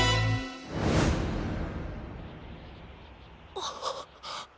あっ！